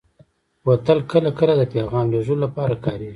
بوتل کله کله د پیغام لېږلو لپاره کارېږي.